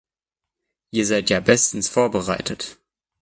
Ihr seid ja bestens vorbereitet!